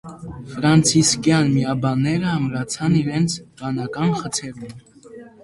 Ֆրանցիսկյան միաբանները ամրացան իրենց վանական խցերում։